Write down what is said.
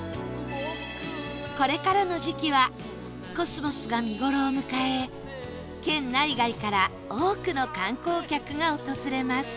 これからの時期はコスモスが見頃を迎え県内外から多くの観光客が訪れます